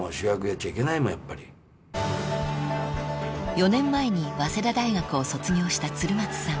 ［４年前に早稲田大学を卒業した鶴松さん］